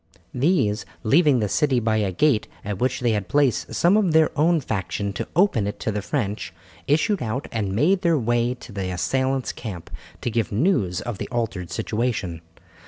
These, leaving the city by a gate at which they had placed some of their own faction to open it to the French, issued out and made their way to the assailants' camp, to give news of the altered situation.